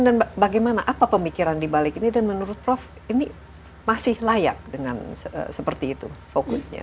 bagaimana apa pemikiran dibalik ini dan menurut prof ini masih layak dengan seperti itu fokusnya